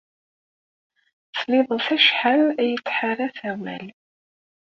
Tesliḍ-as acḥal ay yettḥaṛaf awal?